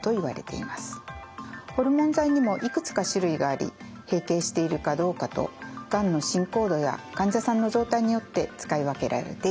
ホルモン剤にもいくつか種類があり閉経しているかどうかとがんの進行度や患者さんの状態によって使い分けられています。